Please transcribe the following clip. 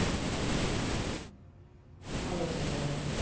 本藤社長